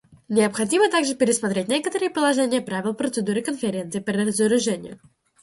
Необходимо также пересмотреть некоторые положения правил процедуры Конференции по разоружению.